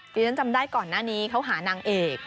ที่ฉันจำได้ก่อนหน้านี้เขาหานางเอก